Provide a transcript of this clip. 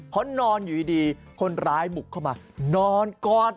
เพราะนอนอยู่ดีคนร้ายบุกเข้ามานอนกอด